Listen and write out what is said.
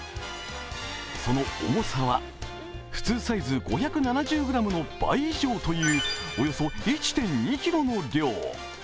その重さは、普通サイズ５７０ｇの倍以上というおよそ１．２ｋｇの量。